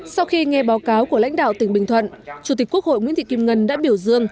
sau khi nghe báo cáo của lãnh đạo tỉnh bình thuận chủ tịch quốc hội nguyễn thị kim ngân đã biểu dương